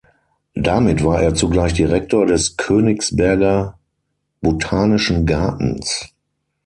Damit war er zugleich Direktor des Königsberger Botanischen Gartens.